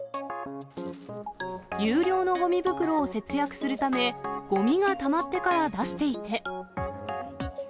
有料のごみ袋を節約するため、ごみがたまってから出していて。